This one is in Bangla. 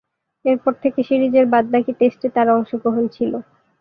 এরপর থেকে সিরিজের বাদ-বাকি টেস্টে তার অংশগ্রহণ ছিল।